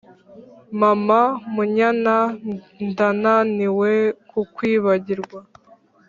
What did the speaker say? mama munyana ndananiwe kukwibagirwa